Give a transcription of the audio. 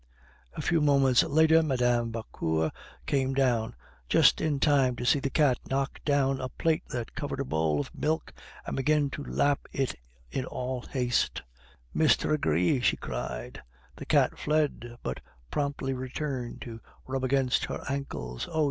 A few moments later Mme. Vauquer came down, just in time to see the cat knock down a plate that covered a bowl of milk, and begin to lap in all haste. "Mistigris!" she cried. The cat fled, but promptly returned to rub against her ankles. "Oh!